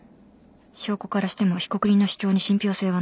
証拠からしても被告人の主張に信ぴょう性はない